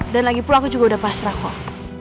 dan lagipula aku juga udah pasrah kok